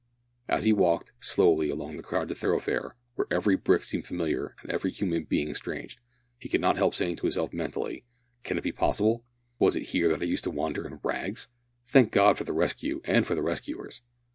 As he walked slowly along the crowded thoroughfare, where every brick seemed familiar and every human being strange, he could not help saying to himself mentally, "Can it be possible! was it here that I used to wander in rags? Thank God for the rescue and for the rescuers!"